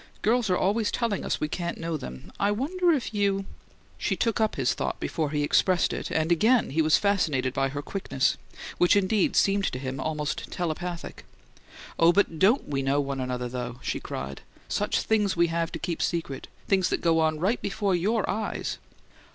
"Girls are always telling us we can't know them. I wonder if you " She took up his thought before he expressed it, and again he was fascinated by her quickness, which indeed seemed to him almost telepathic. "Oh, but DON'T we know one another, though!" she cried. "Such things we have to keep secret things that go on right before YOUR eyes!"